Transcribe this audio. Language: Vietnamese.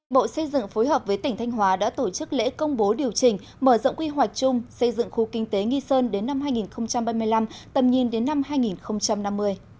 bộ xây dựng phối hợp với tỉnh thanh hóa đã tổ chức lễ công bố điều chỉnh mở rộng quy hoạch chung xây dựng khu kinh tế nghi sơn đến năm hai nghìn ba mươi năm tầm nhìn đến năm hai nghìn năm mươi